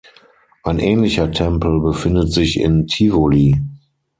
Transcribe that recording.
Ein ähnlicher Tempel befindet sich in Tivoli.